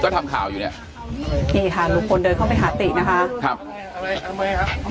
ก็ทำข่าวอยู่เนี่ยนี่ค่ะลุงพลเดินเข้าไปหาตินะคะครับ